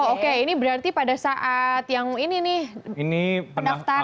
oke ini berarti pada saat yang ini nih pendaftaran